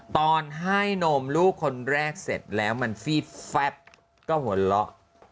ตอนให้นมลูกคนแรกเสร็จแล้วมันฟีดแฟบก็หัวเราะ